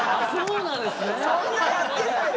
そんなやってないよ！